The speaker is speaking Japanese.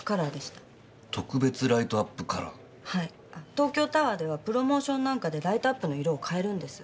東京タワーではプロモーションなんかでライトアップの色を変えるんです。